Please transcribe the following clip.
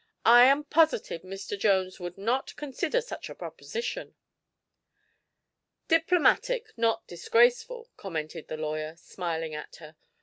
"I am positive Mr. Jones would not consider such a proposition." "Diplomatic, not disgraceful," commented the lawyer, smiling at her.